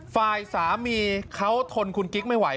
ฝ่ายสามีเขาทนคุณกิ๊กไม่ไหว